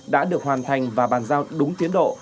đã được hoàn thành và bàn giao đúng tiến độ